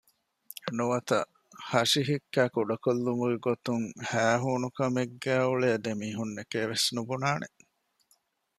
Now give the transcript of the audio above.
ނުވަތަ ހަށި ހިއްކައި ކުޑަކޮށްލުމުގެ ގޮތުން ހައިހޫނުކަމެއްގައި އުޅޭ ދެމީހުންނެކޭ ވެސް ނުބުނާނެ